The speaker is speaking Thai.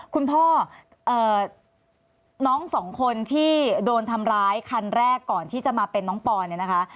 คุณพ่อน้องสองคนที่โดนทำร้ายคันแรกก่อนที่จะมาเป็นน้องปอนเนี่ยนะคะ